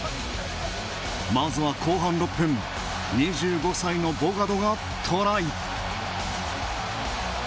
まずは後半６分２５歳のボガドがトライ。